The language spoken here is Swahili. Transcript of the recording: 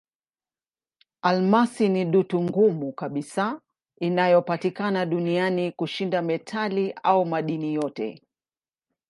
Almasi ni dutu ngumu kabisa inayopatikana duniani kushinda metali au madini yote.